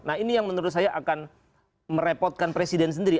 nah ini yang menurut saya akan merepotkan presiden sendiri